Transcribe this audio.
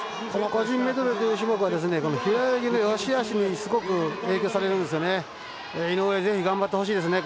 個人メドレーという種目は平泳ぎのよしあしにすごく影響されるんですよね。